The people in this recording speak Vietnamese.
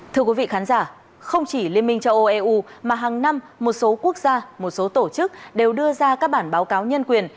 thưa quý vị khán giả không chỉ liên minh châu âu eu mà hàng năm một số quốc gia một số tổ chức đều đưa ra các bản báo cáo nhân quyền